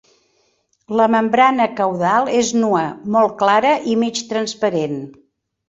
La membrana caudal és nua, molt clara i mig transparent.